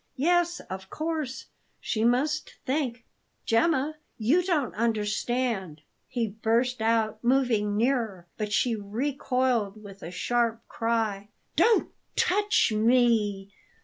Yes, of course, she must think "Gemma, you don't understand!" he burst out, moving nearer; but she recoiled with a sharp cry: "Don't touch me!"